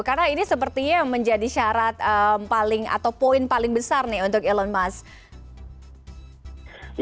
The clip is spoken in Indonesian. karena ini sepertinya menjadi syarat paling atau poin paling besar nih untuk elon musk